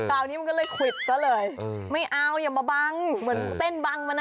คราวนี้มันก็เลยควิดซะเลยไม่เอาอย่ามาบังเหมือนเต้นบังมันนะ